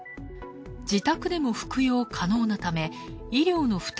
自宅でも服用可能なため医療の負担